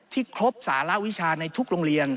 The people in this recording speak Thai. ครบสารวิชาในทุกโรงเรียน